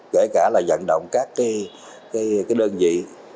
kể cả dẫn động các đơn vị